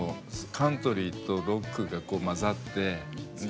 カントリーとロックが混ざってで